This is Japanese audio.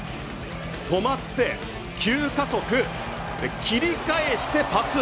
止まって急加速で、切り返してパス。